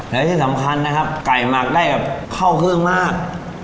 และที่สำคัญนะครับไก่หมักได้แบบเข้าเครื่องมาก